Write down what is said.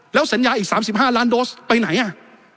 แล้วสัญญาอีก๓๕ล้านโดสไปไหนอ่ะ